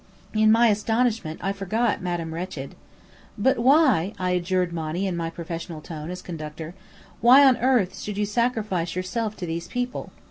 In my astonishment, I forgot Madame Wretched. "But why," I adjured Monny in my professional tone, as conductor, "why on earth should you sacrifice yourself to these people?